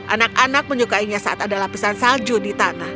anak anak menyukainya saat ada lapisan salju di tanah